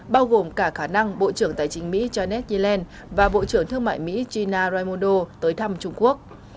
bao gồm cả khả năng bộ trưởng tài chính mỹ janet yellen và bộ trưởng thương mại mỹ gina raimondo tới thăm trung quốc